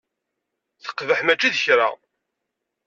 Teqbeḥ mačči d kra.